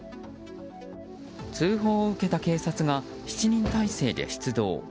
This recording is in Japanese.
通報を受けた警察が７人態勢で出動。